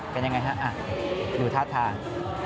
เป็นยังไงฮะดูท่าทาง